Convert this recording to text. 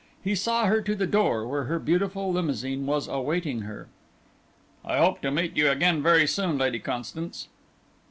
He saw her to the door, where her beautiful limousine was awaiting her. "I hope to meet you again very soon, Lady Constance."